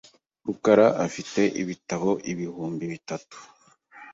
rukara afite ibitabo ibihumbi bitatu .